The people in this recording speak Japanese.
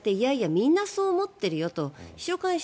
みんなそう思っているよと秘書官室